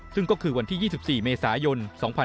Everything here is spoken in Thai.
ซึ่งก็คือวันที่๒๔เมษายน๒๕๖๒